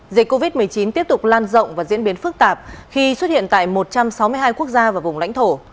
dịch covid một mươi chín tiếp tục lan rộng và diễn biến phức tạp khi xuất hiện tại một trăm sáu mươi hai quốc gia và vùng lãnh thổ